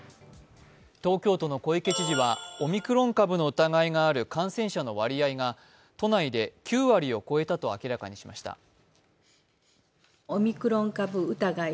東京都小池知事はオミクロン株の疑いがある感染者の割合が都内で９割を超えたと明らかにしました。